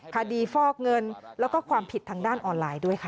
ฟอกเงินแล้วก็ความผิดทางด้านออนไลน์ด้วยค่ะ